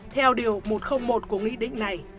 theo điều một trăm linh một của nghị định này